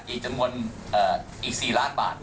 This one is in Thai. อีกจำนวนอีก๔ล้านบาท